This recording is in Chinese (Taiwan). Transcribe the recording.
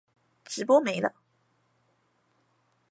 直播沒了